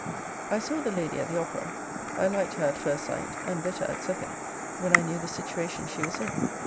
'I saw the lady at the opera. I liked her at first sight, and better at second, when I knew the situation she was in.